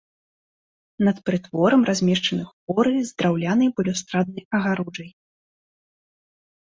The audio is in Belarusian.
Над прытворам размешчаны хоры з драўлянай балюстраднай агароджай.